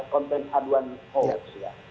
konten aduan hoax ya